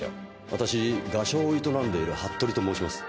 私画商を営んでいる服部と申します。